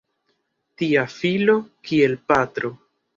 Tia filo kiel patro!